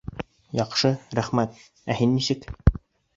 Яҡшы, рәхмәт! Ә һин нисек?